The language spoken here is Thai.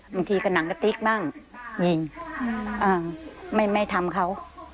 บางทีก็หนังกะติ๊กบ้างยิงไม่ทำเขา